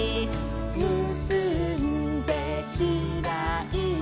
「むすんでひらいて」